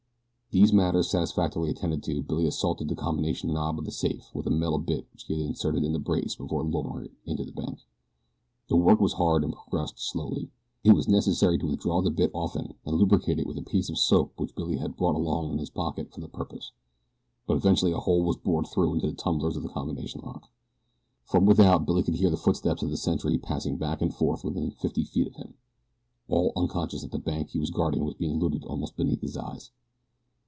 These matters satisfactorily attended to Billy assaulted the combination knob of the safe with the metal bit which he had inserted in the brace before lowering it into the bank. The work was hard and progressed slowly. It was necessary to withdraw the bit often and lubricate it with a piece of soap which Billy had brought along in his pocket for the purpose; but eventually a hole was bored through into the tumblers of the combination lock. From without Billy could hear the footsteps of the sentry pacing back and forth within fifty feet of him, all unconscious that the bank he was guarding was being looted almost beneath his eyes.